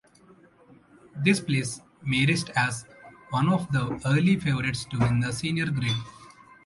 This placed Marist as one of the early favourites to win the Senior Grade.